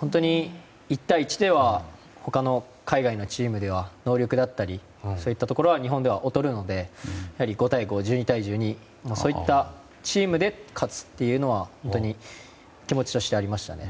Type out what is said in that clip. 本当に１対１では他の海外のチームでは能力だったりそういったところは日本では劣るので５対５、１２対１２チームで勝つというのは本当に、気持ちとしてありましたね。